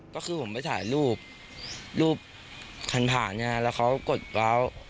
ก็คือผมไปถ่ายรูปรูปคันผ่านเนี่ยแล้วเขากดว้าว